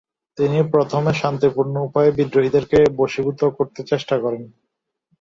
তিনি প্রথমে শান্তিপূর্ণ উপায়ে বিদ্রোহীদেরকে বশীভূত করতে চেষ্টা করেন।